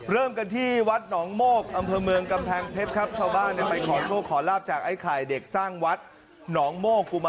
เริ่มกันที่วัสดิ์หนองโมก